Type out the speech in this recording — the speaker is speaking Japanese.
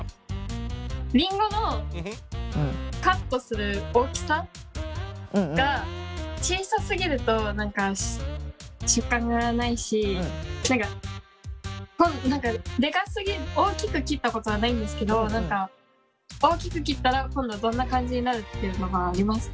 りんごのカットする大きさが小さすぎると食感がないしでかすぎ大きく切ったことはないんですけど何か大きく切ったら今度はどんな感じになるっていうのはありますか？